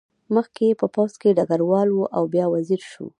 مخکې یې په پوځ کې ډګروال و او بیا وزیر شو.